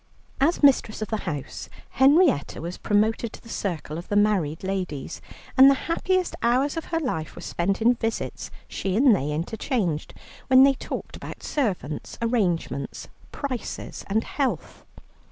As mistress of the house, Henrietta was promoted to the circle of the married ladies, and the happiest hours of her life were spent in visits she and they interchanged, when they talked about servants, arrangements, prices, and health.